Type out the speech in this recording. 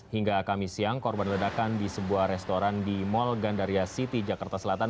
hingga kamis siang korban ledakan di sebuah restoran di mall gandaria city jakarta selatan